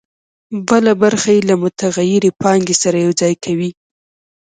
بله برخه یې له متغیرې پانګې سره یوځای کوي